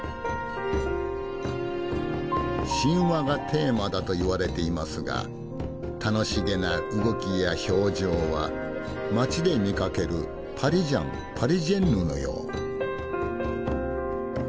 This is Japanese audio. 神話がテーマだといわれていますが楽しげな動きや表情は街で見かけるパリジャンパリジェンヌのよう。